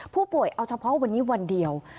ผู้ป่วยเอาเฉพาะวันนี้วันเดียว